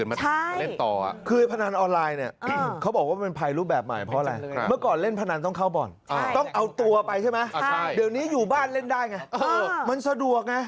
เดี๋ยวนี้อยู่บ้านเล่นได้ไงมันสะดวกไง